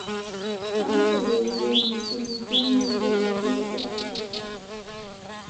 Anna sobrevive e inicialmente decide quedarse con su marido.